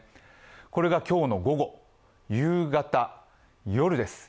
これが今日の午後、夕方、夜です。